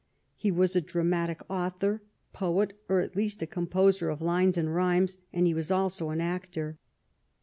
He was a dramatic author, poet, or, at least, a composer of lines and rhymes, and he was also an actor.